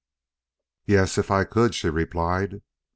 "Yes, if I could," she replied.